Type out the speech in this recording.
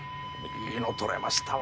いいの録れましたわ。